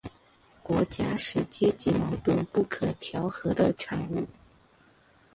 国家是阶级矛盾不可调和的产物